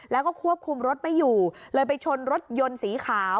แล้วก็ควบคุมรถไม่อยู่เลยไปชนรถยนต์สีขาว